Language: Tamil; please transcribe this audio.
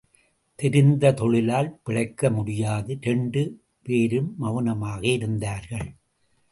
தெரிந்த தொழிலால் பிழைக்க முடியாது இரண்டு பேரும் மெளனமாக இருந்தார்கள்.